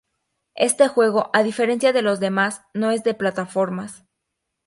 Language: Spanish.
Este juego, a diferencia de los demás, no es de plataformas.